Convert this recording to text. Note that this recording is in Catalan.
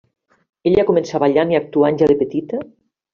Ella començà ballant i actuant ja de petita.